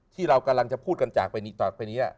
ที่เรากำลังจะพูดกันจากไปต่อไปนี้